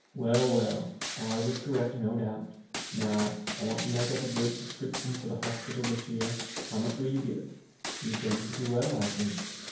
"Well, well! Ours is correct, no doubt. Now I want to make up a good subscription for the hospital this year. How much will you give? You've done pretty well, I think."